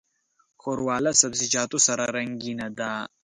ښوروا له سبزيجاتو سره رنګینه ده.